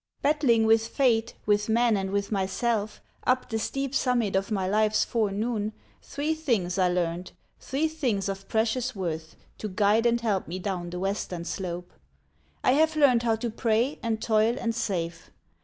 Battling with fate, with men and with myself, Up the steep summit of my life's forenoon, Three things I learned, three things of precious worth To guide and help me down the western slope. I have learned how to pray, and toil, and save.